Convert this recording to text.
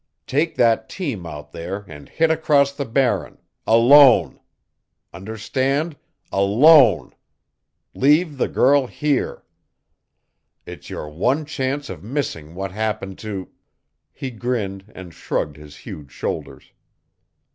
Take that team out there and hit across the Barren ALONE. Understand? ALONE. Leave the girl here. It's your one chance of missing what happened to " He grinned and shrugged his huge shoulders.